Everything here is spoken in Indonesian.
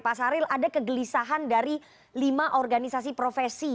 pak saril ada kegelisahan dari lima organisasi profesi